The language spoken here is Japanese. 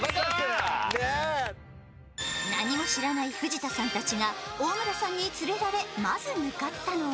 何も知らない藤田さんたちが大村さんに連れられまず向かったのは